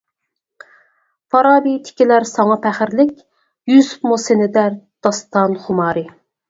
فارابى تىكىلەر ساڭا پەخىرلىك، يۈسۈپمۇ سېنى دەر داستان خۇمارى.